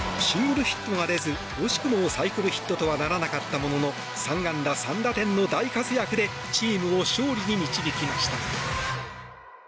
シングルヒットが出ず惜しくもサイクルヒットとはならなかったものの３安打３打点の大活躍でチームを勝利に導きました。